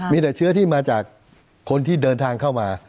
มีแต่เชื้อที่มาจากคนที่เดินทางเข้ามา